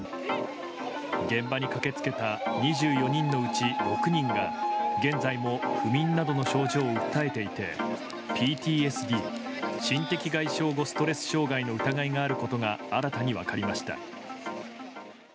現場に駆け付けた２４人のうち６人が現在も不眠などの症状を訴えていてＰＴＳＤ・心的外傷後ストレス障害の疑いがあることが新たに分かりました。